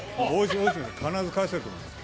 大泉洋は必ず返せると思います。